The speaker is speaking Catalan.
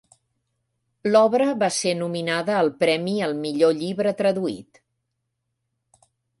L'obra va ser nominada al premi al Millor llibre traduït.